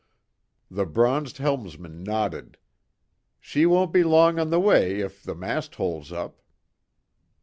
The bronzed helmsman nodded. "She won't be long on the way if the mast holds up."